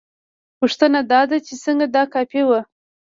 پوښتنه دا ده چې څنګه دا کافي وه؟